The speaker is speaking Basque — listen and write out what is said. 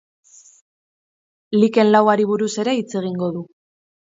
Liken lauari buruz ere hitz egingo du.